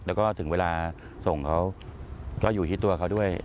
แล้วก็ถึงเวลาส่งเขาก็อยู่ที่ตัวเขาด้วย